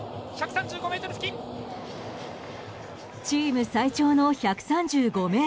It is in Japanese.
チーム最長の１３５ｍ！